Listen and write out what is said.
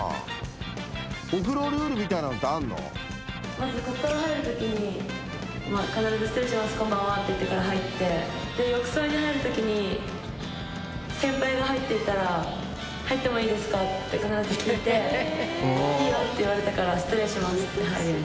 まずここから入るときに必ず「失礼します。こんばんは」って言ってから入って浴槽に入るときに先輩が入っていたら「入ってもいいですか？」って必ず聞いて「いいよ」って言われてから「失礼します」って入る。